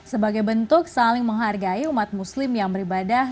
sebagai bentuk saling menghargai umat muslim yang beribadah